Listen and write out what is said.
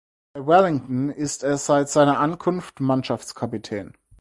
Bei Wellington ist er seit seiner Ankunft Mannschaftskapitän.